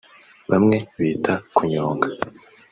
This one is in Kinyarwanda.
bamwe bita kunyonga